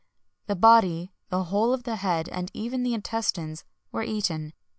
[XXI 114] The body, the whole of the head, and even the intestines[XXI 115] were eaten.